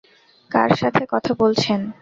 কার সাথে কথা বলছেন?